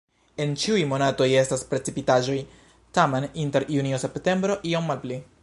En ĉiuj monatoj estas precipitaĵoj, tamen inter junio-septembro iom malpli.